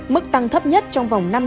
mức tăng thấp nhất trong vòng năm năm